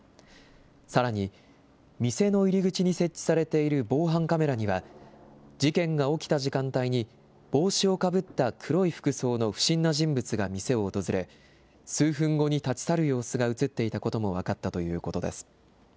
さらに、店の入り口に設置されている防犯カメラには、事件が起きた時間帯に、帽子をかぶった黒い服装の不審な人物が店を訪れ、数分後に立ち去る様子が写っていたことも分かったということです。